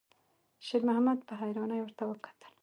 شېرمحمد په حيرانۍ ورته کتل.